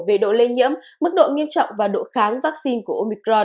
về độ lây nhiễm mức độ nghiêm trọng và độ kháng vaccine của omicron